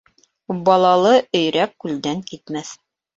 Балалы өйрәк күлдән китмәҫ.